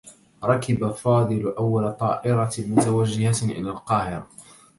ركب فاضل أوّل طائرة متوجّهة إلى القاهرة.